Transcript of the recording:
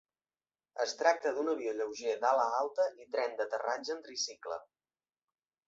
Es tracta d'un avió lleuger d'ala alta i tren d'aterratge en tricicle.